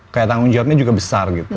kayak tanggung jawabnya juga besar gitu